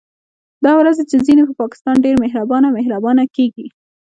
دا ورځې چې ځينې په پاکستان ډېر مهربانه مهربانه کېږي